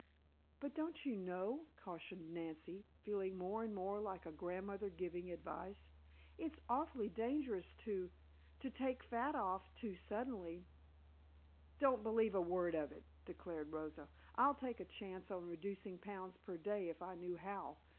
"But don't you know," cautioned Nancy, feeling more and more like a grandmother giving advice, "it's awfully dangerous to to take off fat too suddenly." "Don't believe a word of it," declared Rosa. "I'd take a chance on reducing pounds per day if I knew how.